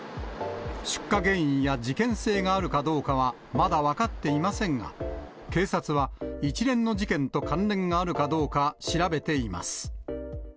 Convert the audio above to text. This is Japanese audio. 出火原因や事件性があるかどうかは、まだ分かっていませんが、警察は一連の事件と関連があるかどうか、調べています。